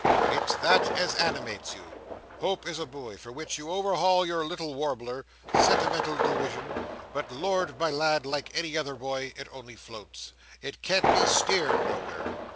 It's that as animates you. Hope is a buoy, for which you overhaul your Little Warbler, sentimental diwision, but Lord, my lad, like any other buoy, it only floats; it can't be steered nowhere.